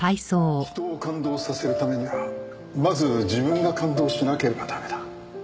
人を感動させるためにはまず自分が感動しなければ駄目だ。